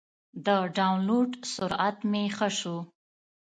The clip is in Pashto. د ډاونلوډ سرعت مې ښه شو.